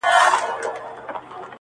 o خو ما د لاس په دسمال ووهي ويده سمه زه.